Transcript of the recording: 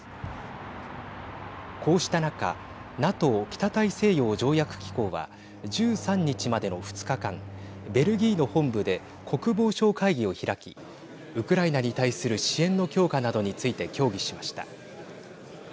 こうした中ＮＡＴＯ＝北大西洋条約機構は１３日までの２日間ベルギーの本部で国防相会議を開きウクライナに対する支援の強化などについて協議しました。